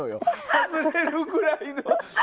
外れるぐらいの。